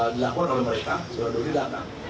dilakukan oleh mereka saudara dodi datang